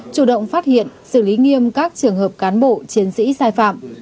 chủ động phát hiện xử lý nghiêm các trường hợp cán bộ chiến sĩ sai phạm